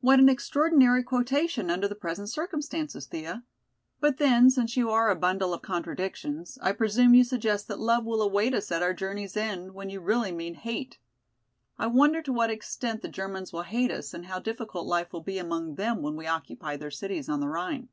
"What an extraordinary quotation under the present circumstances, Thea! But then, since you are a bundle of contradictions, I presume you suggest that love will await us at our journey's end when you really mean hate. I wonder to what extent the Germans will hate us and how difficult life will be among them when we occupy their cities on the Rhine."